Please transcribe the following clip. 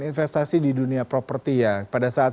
investasi di dunia properti ya pada saat